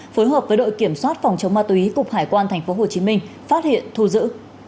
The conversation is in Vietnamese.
phối hợp với đội kiểm soát phòng chống ma túy cục hải quan tp hcm phát hiện thu giữ